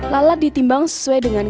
lalat ditimbang sesuai dengan